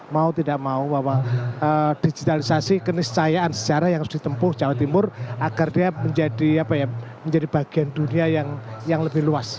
mau tidak mau bahwa digitalisasi keniscayaan sejarah yang harus ditempuh jawa timur agar dia menjadi bagian dunia yang lebih luas